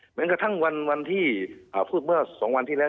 เหมือนกับวันที่พูดเมื่อ๒วันที่แล้ว